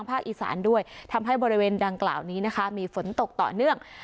อีสานด้วยทำให้บริเวณดังกล่าวนี้นะคะมีฝนตกต่อเนื่อง